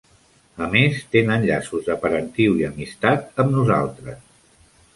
A més, tenen llaços de parentiu i amistat amb nosaltres.